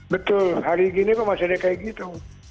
betul hari ini kok masalahnya kayak gitu